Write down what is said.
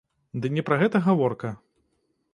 Ды не пра гэта гаворка.